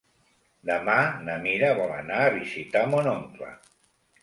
Demà na Mira vol anar a visitar mon oncle.